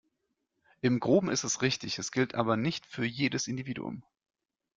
Im Groben ist es richtig, es gilt aber nicht für jedes Individuum.